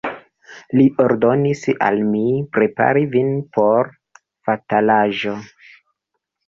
Li ordonis al mi prepari vin por fatalaĵo.